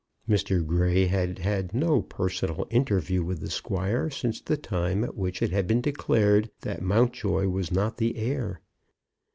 Mr. Grey had had no personal interview with the squire since the time at which it had been declared that Mountjoy was not the heir.